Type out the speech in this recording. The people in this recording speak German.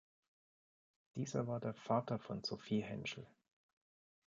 Dieser war der Vater von Sophie Henschel.